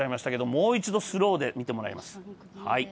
もう一度スローで見てもらいます。